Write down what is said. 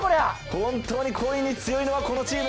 本当にコインに強いのはこのチーム。